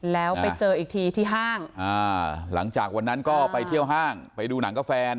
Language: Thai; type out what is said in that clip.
แล้วไปเจออีกทีที่ห้างหลังจากวันนั้นก็ไปเที่ยวห้างไปดูหนังกาแฟ